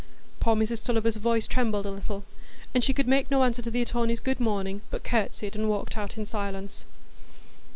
Poor Mrs Tulliver's voice trembled a little, and she could make no answer to the attorney's "good morning," but curtsied and walked out in silence.